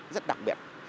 rất đặc biệt